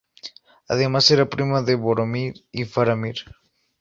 Además era prima de Boromir y Faramir.